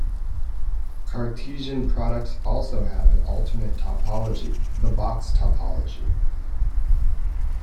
Cartesian products also have an alternate topology, the box topology.